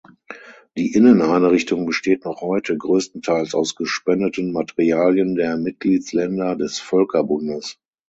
Die Inneneinrichtung besteht noch heute grösstenteils aus gespendeten Materialien der Mitgliedsländer des Völkerbundes.